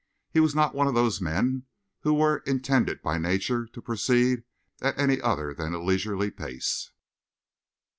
He was not one of those men who were intended by nature to proceed at any other than a leisurely pace.